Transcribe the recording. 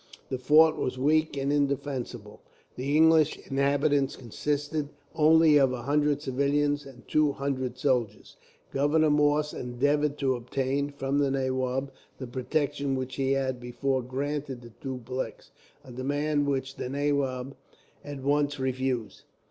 The fort was weak and indefensible. The English inhabitants consisted only of a hundred civilians, and two hundred soldiers. Governor Morse endeavoured to obtain, from the nawab, the protection which he had before granted to Dupleix, a demand which the nawab at once refused.